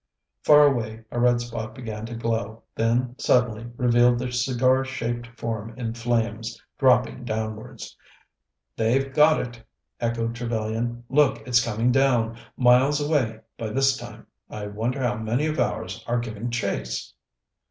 Far away, a red spot began to glow, then suddenly revealed the cigar shaped form in flames, dropping downwards. "They've got it!" echoed Trevellyan. "Look! it's coming down. Miles away, by this time. I wonder how many of ours are giving chase."